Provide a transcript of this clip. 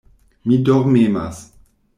Mi dormemas.